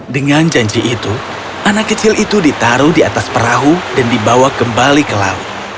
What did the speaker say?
dengan janji itu anak kecil itu ditaruh di atas perahu dan dibawa kembali ke laut